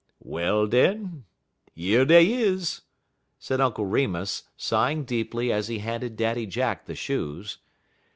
"Well, den, yer dey is," said Uncle Remus, sighing deeply as he handed Daddy Jack the shoes.